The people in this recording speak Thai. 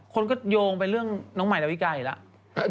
คนก็โยงไปเรื่องน้องใหม่แล้วอีกไกลแล้ว